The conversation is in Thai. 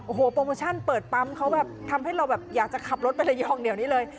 โอ้โหโปรโมชั่นเปิดปั๊มเขาแบบทำให้เราแบบอยากจะขับรถไประยองเดี๋ยวนี้เลย